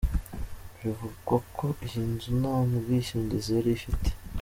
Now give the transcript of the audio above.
Bivugwa ko iyi nzu nta bwishingizi yari ifite.